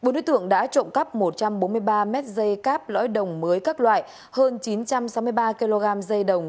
bốn đối tượng đã trộm cắp một trăm bốn mươi ba m dây cáp lõi đồng mới các loại hơn chín trăm sáu mươi ba kg dây đồng